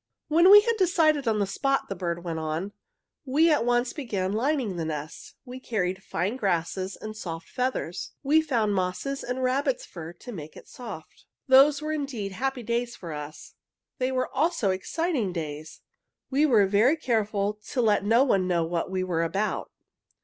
"When we had decided on the spot," the bird went on, "we at once began lining the nest. We carried fine grasses and soft feathers. We found mosses and rabbits' fur to make it soft. "Those were indeed happy days for us. They were also exciting days. We were very careful to let no one know what we were about.